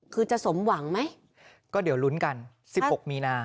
คือจะสมหวังไหมก็เดี๋ยวลุ้นกัน๑๖มีนา